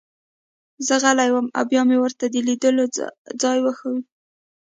زه غلی وم او بیا مې ورته د لیدو ځای وښود